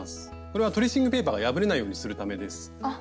これはトレーシングペーパーが破れないようにするためです。